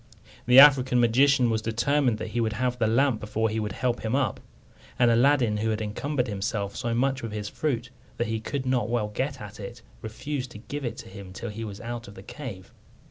The African magician was determined that he would have the lamp before he would help him up; and Aladdin, who had encumbered himself so much with his fruit that he could not well get at it, refused to give it to him till he was out of the cave.